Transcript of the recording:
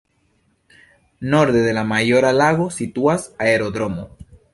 Norde de la Majora Lago situas aerodromo.